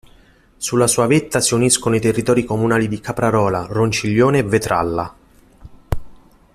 Sulla sua vetta si uniscono i territori comunali di Caprarola, Ronciglione e Vetralla.